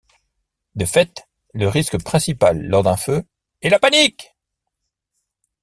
De fait, le risque principal lors d'un feu est la panique.